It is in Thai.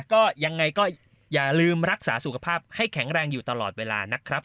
ก็ยังไงก็อย่าลืมรักษาสุขภาพให้แข็งแรงอยู่ตลอดเวลานะครับ